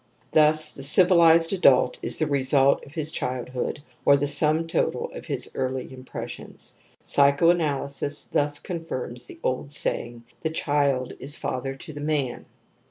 / Thus the (civilized ad ultj^is the result of his \' childhood or the sum total of his early impress / xii TRANSLATOR'S INTRODUCTION ions ; psychoanalysis thus confirms the old saying : The child is father to the man.